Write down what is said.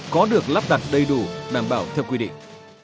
có được lắp đặt đầy đủ đảm bảo theo quy định